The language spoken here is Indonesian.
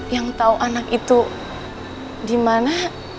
yang tau anak itu dimana